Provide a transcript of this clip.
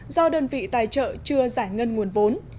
do đơn vị tài trợ chưa giải ngân nguồn vốn